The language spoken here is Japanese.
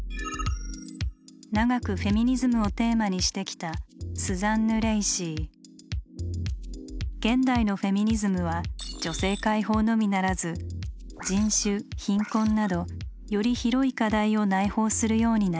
長くフェミニズムをテーマにしてきた現代のフェミニズムは女性解放のみならず人種貧困などより広い課題を内包するようになりました。